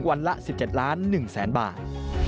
วันละ๑๗๑๐๐๐๐๐บาท